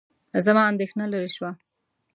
زما اندېښنه لیرې شوه.